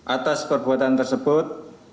atas perbuatan tersebut